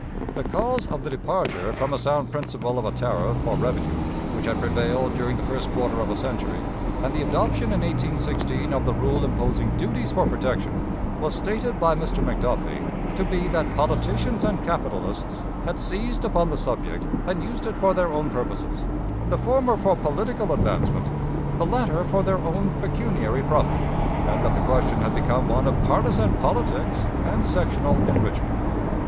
The cause of the departure from a sound principle of a tariff for revenue, which had prevailed during the first quarter of a century, and the adoption in 1816 of the rule imposing duties for protection, was stated by Mr. McDuffie to be that politicians and capitalists had seized upon the subject and used it for their own purposes the former for political advancement, the latter for their own pecuniary profit and that the question had become one of partisan politics and sectional enrichment.